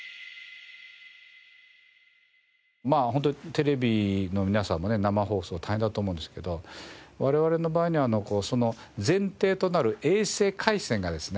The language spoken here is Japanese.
ホントテレビの皆さんもね生放送大変だと思うんですけど我々の場合には前提となる衛星回線がですね